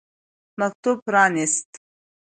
مکتوب پرانیست.